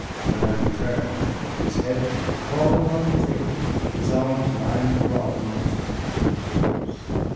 When I returned, his head had fallen upon the table, his arms lying abroad amongst the crumpled papers.